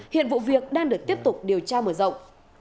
hiện vụ việc đang được tiếp tục điều tra mở rộng